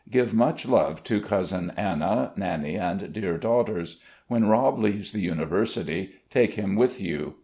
Give much love to Cousin Anna, Nannie, and dear daughters. When Rob leaves the University take him with you.